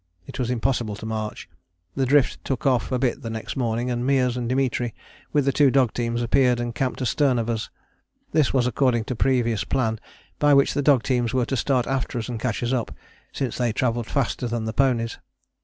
It was impossible to march. The drift took off a bit the next morning, and Meares and Dimitri with the two dog teams appeared and camped astern of us. This was according to previous plan by which the dog teams were to start after us and catch us up, since they travelled faster than the ponies.